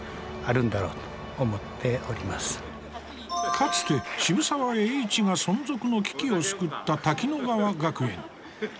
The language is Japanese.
かつて渋沢栄一が存続の危機を救った返して。